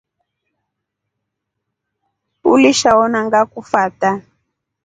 Uliisha ona ngakufata.